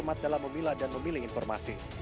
umat dalam memilah dan memilih informasi